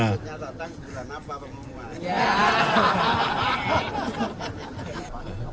maksudnya datang beranapa pembubaran